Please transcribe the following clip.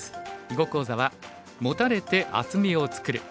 囲碁講座は「モタれて厚みを作る」。